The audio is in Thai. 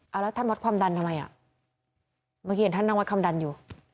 เอาแล้วท่านวัดความดันทำไมอ่ะเมื่อกี้เห็นท่านนั่งวัดความดันอยู่